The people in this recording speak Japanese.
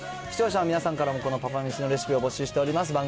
視聴者の皆さんからもこのパパめしのレシピを募集しております。